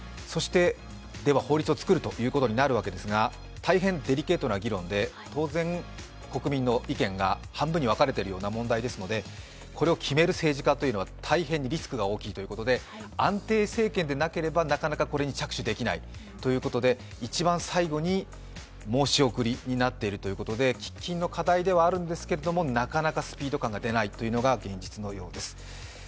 法律を作るということになりますが大変デリケートな議論で、当然、国民の意見が半分に分かれている問題でもありますのでこれを決める政治家というのは大変にリスクが大きいということで安定政権でなければなかなかこれに着手できないということで一番最後に申し送りになっているということで、喫緊の課題ではあるんですけど、なかなかスピード感が出ないというのが現実のようです。